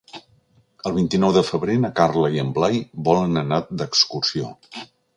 El vint-i-nou de febrer na Carla i en Blai volen anar d'excursió.